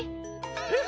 えっ？